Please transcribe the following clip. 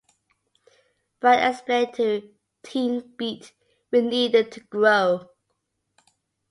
Brian explained to "Teen Beat": "We needed to grow.